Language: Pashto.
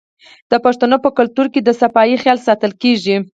د پښتنو په کلتور کې د صفايي خیال ساتل کیږي.